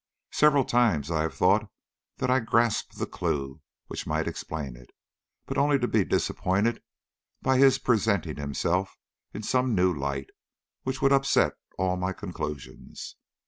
Several times I have thought that I grasped the clue which might explain it, but only to be disappointed by his presenting himself in some new light which would upset all my conclusions.